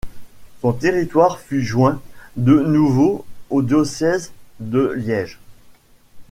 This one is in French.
Son territoire fut joint de nouveau au diocèse de Liège.